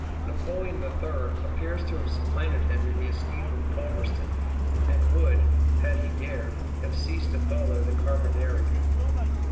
Napoleon III. appears to have supplanted him in the esteem of Palmerston, and would, if he dared, not follow the Carbonari.